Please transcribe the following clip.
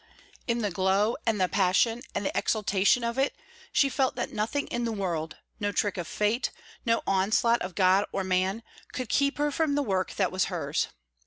In the glow and the passion and the exaltation of it she felt that nothing in the world, no trick of fate, no onslaught of God or man, could keep her from the work that was hers.